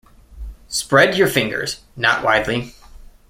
Spread your fingers, not widely.